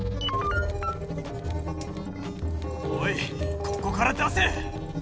おいここから出せ！